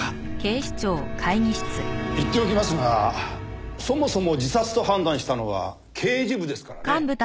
言っておきますがそもそも自殺と判断したのは刑事部ですからね。